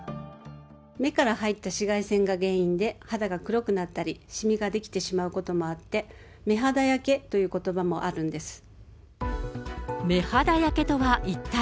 目から入った紫外線が原因で、肌が黒くなったり、しみが出来てしまうこともあって、目肌焼けということばもあるんで目肌焼けとは一体。